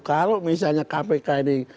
kalau misalnya kpk ini